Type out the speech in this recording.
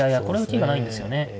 これ受けがないんですよね。